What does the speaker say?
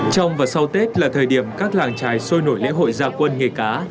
trong và sau tết là thời điểm các làng trài sôi nổi lễ hội gia quân nghề cá